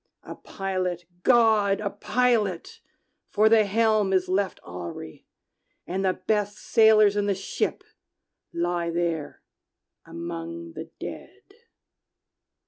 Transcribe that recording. A pilot, GOD, a pilot! for the helm is left awry, And the best sailors in the ship lie there among the dead!"